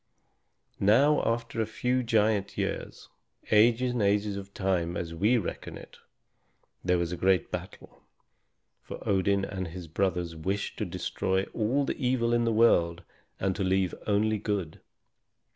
Now after a few giant years, ages and ages of time as we reckon it, there was a great battle, for Odin and his brothers wished to destroy all the evil in the world and to leave only good.